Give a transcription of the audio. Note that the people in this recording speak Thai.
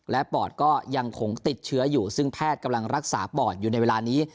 และปอดก็ยังคงติดเชื้ออยู่ซึ่งแพทย์กำลังรักษาปอดอยู่ในเวลานี้